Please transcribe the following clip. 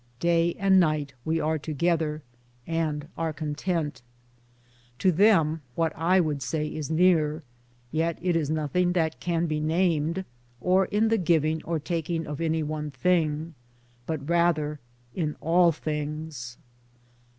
Day and night we are together and are content. To them what I would say is .near ; yet is it in nothing that can be named, or in the giving or taking of any one thing ; but rather in all things.